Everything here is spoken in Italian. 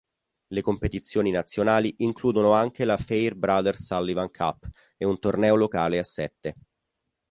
Le competizioni nazionali includono anche la Farebrother-Sullivan Cup, e un torneo locale a sette.